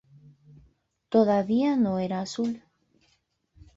Todavía no era azul.